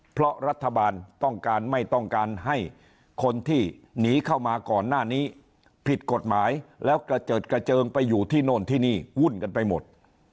เพราะรัฐบาลต้องการไม่ต้องการให้คนที่หนีเข้ามาก่อนหน้านี้ผิดกฎหมายแล้วกระเจิดกระเจิงไปอยู่ที่โน่นที่นี่วุ่นกันไปหมด